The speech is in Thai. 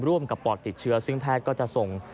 ร่วมกับปอดติดเชื้อซึ่งแพทย์ก็จะส่ง